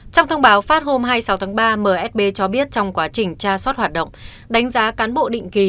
trong thông báo phát hôm hai mươi sáu tháng ba msb cho biết trong quá trình tra soát hoạt động đánh giá cán bộ định kỳ